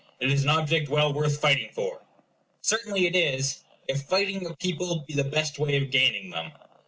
It is an object well worth fighting for. Certainly it is, if fighting a people be the best way of gaining them.